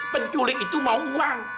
penculik itu mau uang